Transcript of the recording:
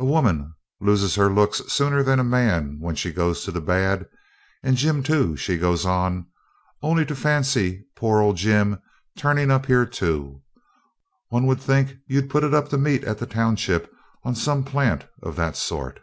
A woman loses her looks sooner than a man when she goes to the bad. And Jim too,' she goes on; 'only to fancy poor old Jim turning up here too! One would think you'd put it up to meet at the township on some plant of that sort.'